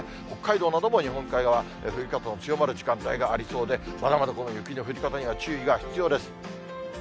北海道なども日本海側、降り方の強まる時間帯がありそうで、まだまだ、この雪の降り方には注意が必要です。